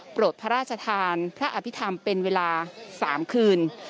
โปรดพระราชทานพระอภิษฐรรมเป็นเวลา๓คืน